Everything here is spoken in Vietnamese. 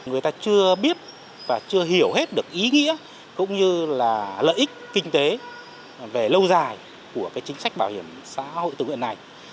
người ta chưa biết và chưa hiểu hết được ý nghĩa cũng như là lợi ích kinh tế về lâu dài của chính sách bảo hiểm xã hội tự nguyện này